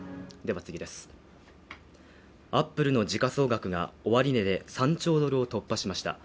アップルの時価総額が終値で３兆ドルを突破しました。